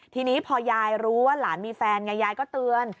ทีนี้พอยายรู้ว่าหลานมีแฟนไงยายก็เตือน